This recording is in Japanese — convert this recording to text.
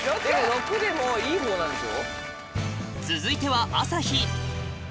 ６でもういい方なんでしょ？